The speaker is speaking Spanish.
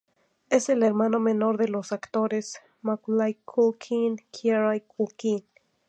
Es el hermano menor de los actores Macaulay Culkin y Kieran Culkin.